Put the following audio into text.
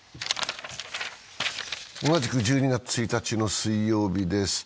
同じく１２月１日の水曜日です。